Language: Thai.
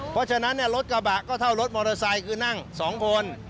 เพราะฉะนั้นรถกระบะก็เท่ารถมอเตอร์ไซค์คือนั่ง๒คน